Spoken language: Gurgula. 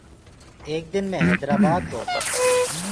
ايڪ دن مي هيدرآبآد گو۔